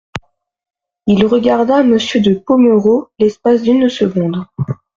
Il regarda Monsieur de Pomereux l'espace d'une seconde.